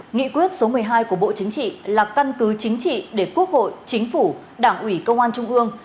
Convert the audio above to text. nghị quyết số một mươi hai của bộ chính trị là căn cứ chính trị để quốc hội chính phủ đảng ủy công an trung ương